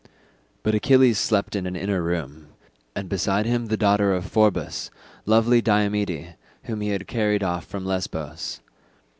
But Achilles slept in an inner room, and beside him the daughter of Phorbas lovely Diomede, whom he had carried off from Lesbos.